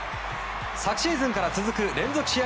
昨シーズンから続く連続試合